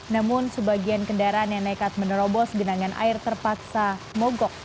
namun sebagian kendaraan yang nekat menerobos genangan air terpaksa mogok